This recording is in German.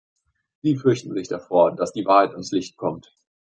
Sie fürchten sich davor, dass die Wahrheit ans Licht kommt.